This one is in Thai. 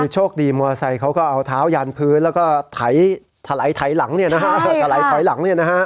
โชคดีมอเตอร์ไซเขาก็เอาเท้ายานพื้นแล้วก็ไถร่ไถร่หลังเนี่ย